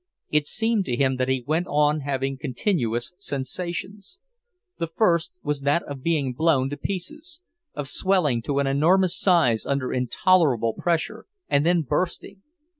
It seemed to him that he went on having continuous sensations. The first, was that of being blown to pieces; of swelling to an enormous size under intolerable pressure, and then bursting.